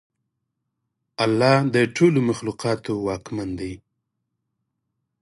الله د ټولو مخلوقاتو واکمن دی.